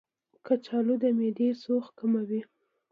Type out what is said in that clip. کچالو د معدې سوخت کموي.